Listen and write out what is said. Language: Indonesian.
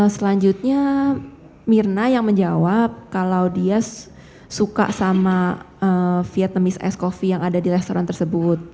selanjutnya mirna yang menjawab kalau dia suka sama vietnamese ice coffee yang ada di restoran tersebut